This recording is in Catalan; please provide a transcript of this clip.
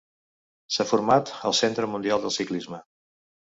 S'ha format al Centre mundial del ciclisme.